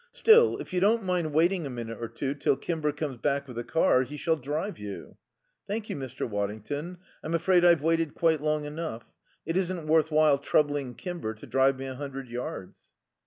Still, if you don't mind waiting a minute or two till Kimber comes back with the car, he shall drive you." "Thank you, Mr. Waddington, I'm afraid I've waited quite long enough. It isn't worth while troubling Kimber to drive me a hundred yards."